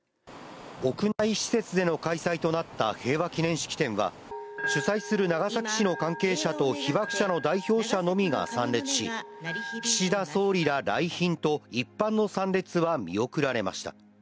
屋内施設での開催となった平和祈念式典は、主催する長崎市の関係者と被爆者の代表者のみが参列し、岸田総理ら来賓と、一般の参列は見送られました。